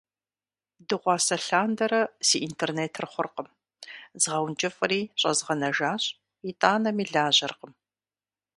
Дыгъуасэ лъандэрэ си интернетыр хъуркъым. Згъэункӏыфӏри щӏэзгъанэжащ, итӏанэми лажьэркъым.